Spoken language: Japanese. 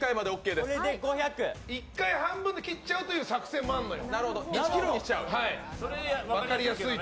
１回、半分に切っちゃうという作戦もあるのよ。